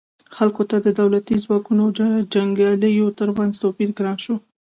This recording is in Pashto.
خلکو ته د دولتي ځواکونو او جنګیالیو ترمنځ توپیر ګران شو.